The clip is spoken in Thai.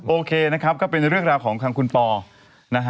โอเคนะครับก็เป็นเรื่องราวของทางคุณปอนะฮะ